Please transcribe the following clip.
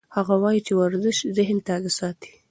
هغه وایي چې ورزش ذهن تازه ساتي.